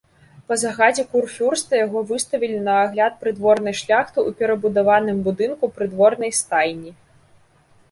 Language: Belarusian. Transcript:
Па загадзе курфюрста яго выставілі на агляд прыдворнай шляхты ў перабудаваным будынку прыдворнай стайні.